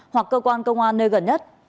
hoặc cơ quan công an nơi gần nhất